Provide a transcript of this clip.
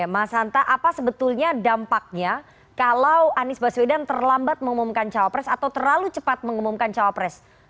mas hanta apa sebetulnya dampaknya kalau anies baswedan terlambat mengumumkan cawapres atau terlalu cepat mengumumkan cawapres